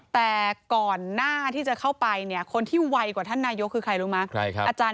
แต่ก่อนหน้าที่จะเข้าไปคนที่วัยกว่าท่านนายกคือใครรู้มั้ย